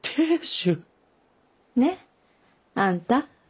ねっあんた。